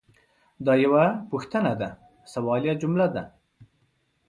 دا یوه پوښتنه ده – سوالیه جمله ده.